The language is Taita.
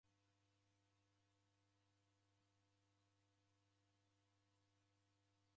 W'alindiri w'emkira kufuma msidunyi.